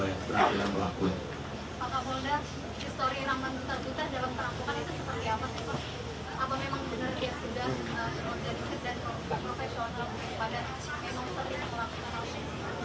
padahal memang sering yang melakukan hal ini